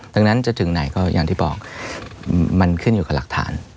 ดังนั้นจะถึงไหนก็อย่างที่บอกมันขึ้นอยู่กับหลักฐาน